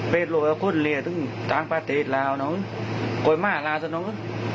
ไปโลกก็คุณเรียกถึงทางประเทศร้าวน้องโคยมาหลาซะน้อง